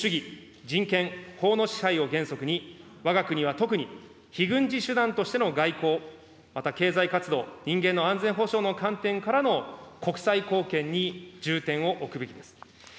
自由、民主主義、人権、法の支配を原則に、わが国は特に、非軍事手段としての外交、また経済活動、人間の安全保障の観点からの国際貢献に重点を置くべきです。